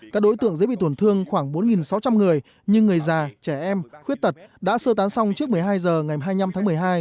các đối tượng dễ bị tổn thương khoảng bốn sáu trăm linh người như người già trẻ em khuyết tật đã sơ tán xong trước một mươi hai h ngày hai mươi năm tháng một mươi hai